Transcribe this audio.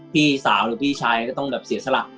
พี่สาวหรือพี่ชายก็ต้องแบบเสียสละ